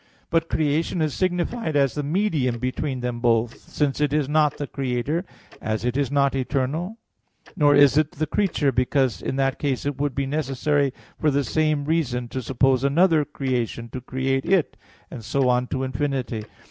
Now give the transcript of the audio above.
But creation is signified as the medium between them both: since it is not the Creator, as it is not eternal; nor is it the creature, because in that case it would be necessary for the same reason to suppose another creation to create it, and so on to infinity.